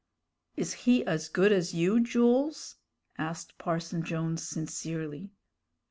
"Is he as good as you, Jools?" asked Parson Jones, sincerely.